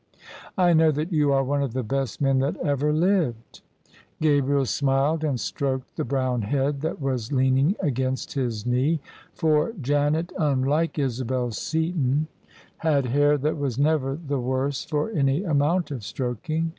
" I know that you are one of the best men that ever lived." Gabriel smiled and stroked the brown head that was leaning against his knee: for Janet — ^unlike Isabel Seaton — OF ISABEL CARNABY had hair that was never the worse for any amount of strok ing.